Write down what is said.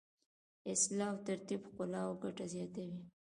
اصلاح او ترتیب ښکلا او ګټه زیاتوي.